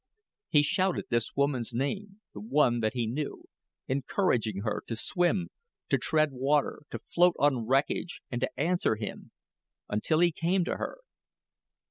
He shouted this woman's name the one that he knew encouraging her to swim, to tread water, to float on wreckage, and to answer him, until he came to her.